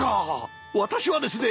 私はですね